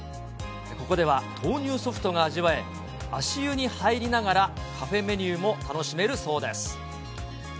ここでは豆乳ソフトが味わえ、足湯に入りながら、カフェメニューも楽しめるそうです。